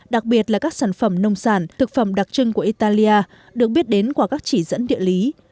đặc biệt là các sản phẩm nông sản thực phẩm đặc trưng của italia được biết đến qua các chỉ dẫn địa lý